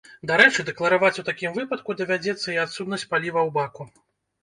Дарэчы, дэклараваць у такім выпадку давядзецца і адсутнасць паліва ў баку.